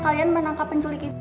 kalian menangkap penculik itu